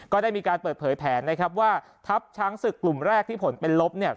ก็ได้มีการเปิดเผยแผนนะครับว่าทัพช้างศึกกลุ่มแรกที่ผลเป็นลบเนี่ย